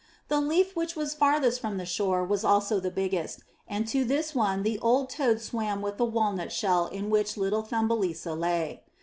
The leaf which was farthest from the shore was also the biggest, and to this one the old toad swam with the walnut shell in which little Thumbelisa lay.